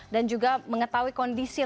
dan juga mengetahui kondisi